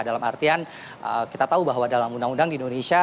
dalam artian kita tahu bahwa dalam undang undang di indonesia